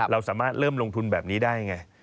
เราสามารถเริ่มลงทุนแบบนี้ได้ไง